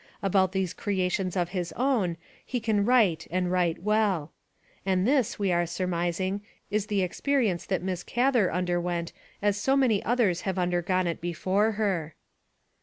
About these creations of his own he can write and write well. And this, we are surmising, is WILLA SIBERT GATHER 261 the experience that Miss Gather underwent as so many others have undergone it before her.